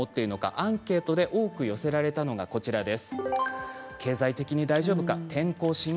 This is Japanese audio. アンケートで多く寄せられたのがこちらです。